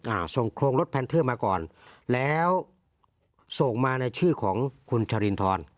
อ่าส่งโครงรถแพนเทอร์มาก่อนแล้วส่งมาในชื่อของคุณชรินทร